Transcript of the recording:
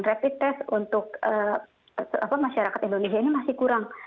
rapid test untuk masyarakat indonesia ini masih kurang